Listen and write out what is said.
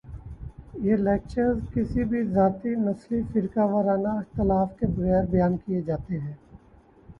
یہ لیکچرز کسی بھی ذاتی ، نسلی ، فرقہ ورانہ اختلاف کے بغیر بیان کیے جاتے ہیں